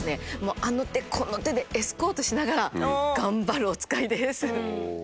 あの手この手でエスコートしながら頑張るおつかいです。